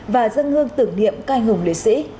và dân hương tưởng niệm cai hùng lễ sĩ